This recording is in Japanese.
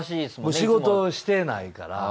仕事してないから。